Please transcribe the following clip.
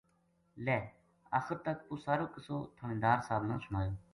لے آخر تک وہ سارو قصو تھہانیدار صاحب نا سنایو